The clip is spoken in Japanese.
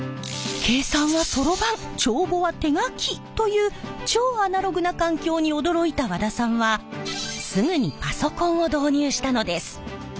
計算はソロバン帳簿は手書きという超アナログな環境に驚いた和田さんはすぐにパソコンを導入したのです。